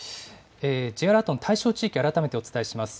Ｊアラートの対象地域、改めてお伝えします。